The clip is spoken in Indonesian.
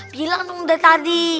bilang tuh udah tadi